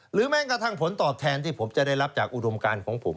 แม้กระทั่งผลตอบแทนที่ผมจะได้รับจากอุดมการของผม